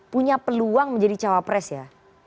punya peluang menjadi cawapres ya